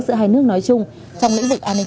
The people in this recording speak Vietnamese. giữa hai nước nói chung trong lĩnh vực an ninh